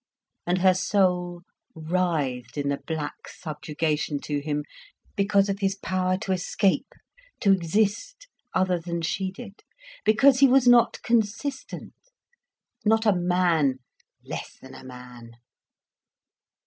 And her soul writhed in the black subjugation to him, because of his power to escape, to exist, other than she did, because he was not consistent, not a man, less than a man.